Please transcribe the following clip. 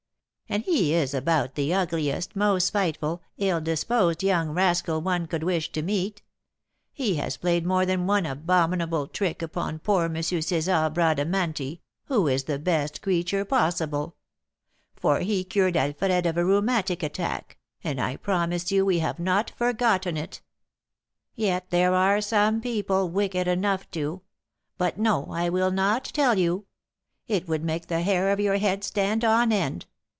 And he is about the ugliest, most spiteful, ill disposed young rascal one would wish to meet: he has played more than one abominable trick upon poor M. César Bradamanti, who is the best creature possible; for he cured Alfred of a rheumatic attack, and I promise you we have not forgotten it. Yet there are some people wicked enough to But no, I will not tell you: it would make the hair of your head stand on end.